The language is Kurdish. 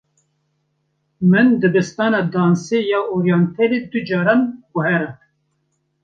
Min dibistana dansê ya oryentalê du caran guherand.